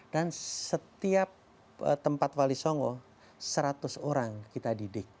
dan setiap tempat wali songo seratus orang kita didik